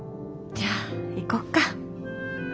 じゃあ行こっか。